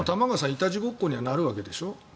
いたちごっこにはなるわけでしょ